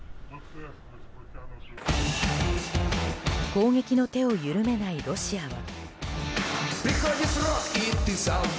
攻撃の手を緩めないロシアは。